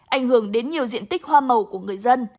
ảnh hưởng đến nhiều diện tích hoa màu của người dân